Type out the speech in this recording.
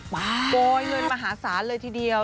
ป่ายหน่อยเลยไม่หาสารเลยทีเดียว